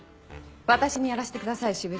私にやらせてください支部長。